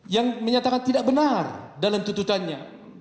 yang menyatakan tidak benar dalam tuntutannya